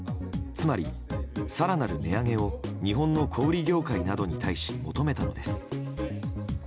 つまり、更なる値上げを日本の小売業界などに対し求めたのです。